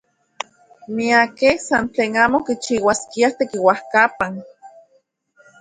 Miakej san tlen amo kichiuaskiaj tekiuajkapa.